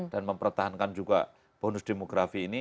dan mempertahankan juga bonus demografi ini